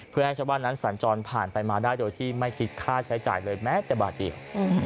เพื่อให้ชาวบ้านนั้นสัญจรผ่านไปมาได้โดยที่ไม่คิดค่าใช้จ่ายเลยแม้แต่บาทเดียว